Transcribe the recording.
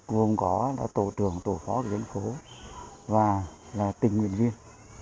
vùng gõ là tổ trưởng tổ phó của dân phố và là tình nguyện viên